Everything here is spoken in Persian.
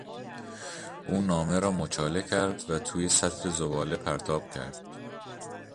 او نامه را مچاله کرد و توی سطل زباله پرتاب کرد.